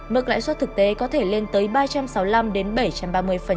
mức lãi suất thực tế có thể lên tới ba trăm sáu mươi năm bảy trăm ba mươi mỗi năm